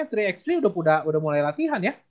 yang tiga xli udah mulai latihan ya